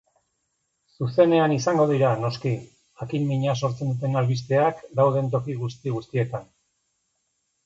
Zuzenean izango dira, noski, jakinmina sortzen duten albisteak dauden toki guzti-guztietan.